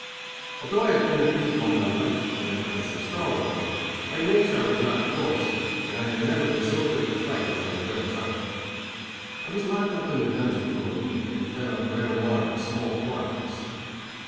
Although I had been a thief all my life, and had done some strong arm work, by nature I was not quarrelsome, and I have never been so quick to fight as on my third term. I was locked up in the dungeon for a week and fed on bread and water in small quantities.